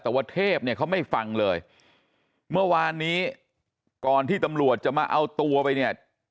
แต่ว่าเทพเนี่ยเขาไม่ฟังเลยเมื่อวานนี้ก่อนที่ตำรวจจะมาเอาตัวไปเนี่ย